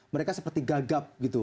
mereka seperti gagap gitu